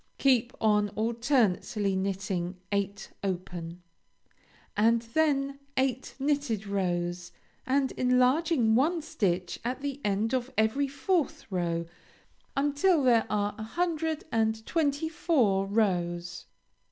Keep on alternately knitting eight open, and then eight knitted rows, and enlarging one stitch at the end in every fourth row until there are a hundred and twenty four rows.